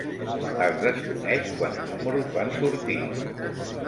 Es desconeix quants números van sortir.